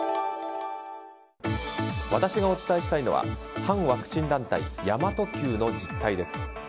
私がお伝えしたいのは反ワクチン団体神真都Ｑの実態です。